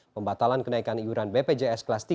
pembatalan kenaikan iuran bpjs kelas tiga